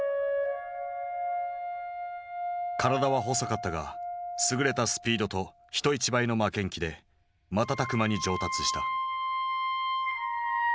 体は細かったが優れたスピードと人一倍の負けん気で瞬く間に上達した。